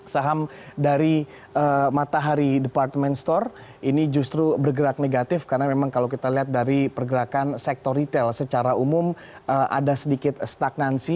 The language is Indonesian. saham dari matahari department store ini justru bergerak negatif karena memang kalau kita lihat dari pergerakan sektor retail secara umum ada sedikit stagnansi